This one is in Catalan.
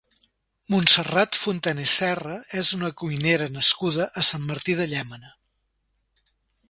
Montserrat Fontané Serra és una cuinera nascuda a Sant Martí de Llémena.